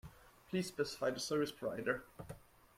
Please specify the service provider.